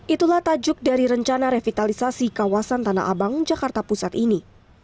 itulah tajuk dari rencana revitalisasi kawasan tanah abang jakarta pusat ini